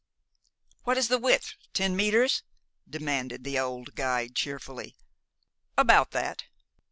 "What is the width ten meters?" demanded the old guide cheerfully. "About that."